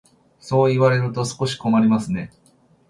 そう言われると少し困りますね。